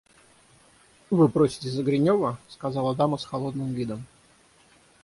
– Вы просите за Гринева? – сказала дама с холодным видом.